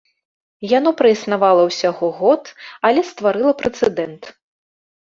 Яно праіснавала ўсяго год, але стварыла прэцэдэнт.